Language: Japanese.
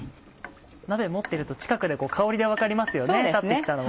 鍋持ってると近くで香りで分かりますよね立って来たの。